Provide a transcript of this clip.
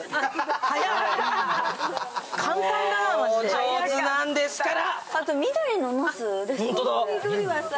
お上手なんですから！